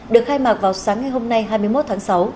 được khai mạc vào sáng ngày hôm nay hai mươi một tháng sáu